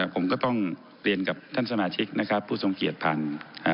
ผมก็ต้องเรียนกับท่านสมาชิกนะครับผู้ทรงเกียจพันธุ์